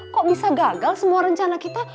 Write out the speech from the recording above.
kok bisa gagal semua rencana kita